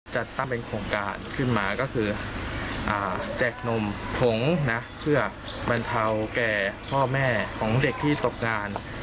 จัดตั้งเป็นโครงการขึ้นมาก็คือแจกนมผงนะเพื่อบรรเทาแก่พ่อแม่ของเด็กที่ตกงาน